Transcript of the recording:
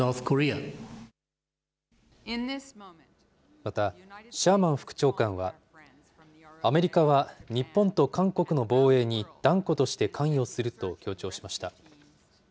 また、シャーマン副長官は、アメリカは日本と韓国の防衛に断固として関与すると強調しました。